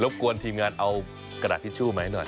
กวนทีมงานเอากระดาษทิชชู่ไหมหน่อย